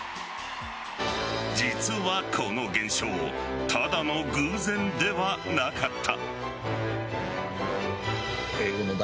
実はこの現象ただの偶然ではなかった。